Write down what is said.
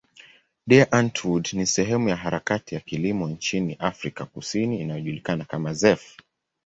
Die Antwoord ni sehemu ya harakati ya kilimo nchini Afrika Kusini inayojulikana kama zef.